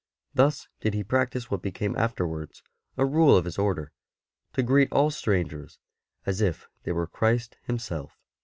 Thus did he practise what be came afterwards a rule of his Order — to greet all strangers as if they were Christ Himself.